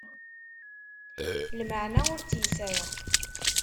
Lmeɛna ur tt-yesɛi.